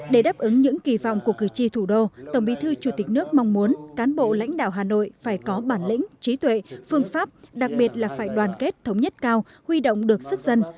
để đáp ứng những kỳ vọng của cử tri thủ đô tổng bí thư chủ tịch nước mong muốn cán bộ lãnh đạo hà nội phải có bản lĩnh trí tuệ phương pháp đặc biệt là phải đoàn kết thống nhất cao huy động được sức dân